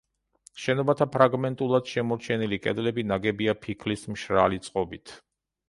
შენობათა ფრაგმენტულად შემორჩენილი კედლები ნაგებია ფიქლის მშრალი წყობით.